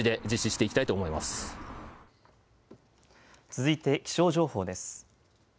続いて気象情報です。